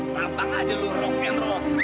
tambang aja lu rock and roll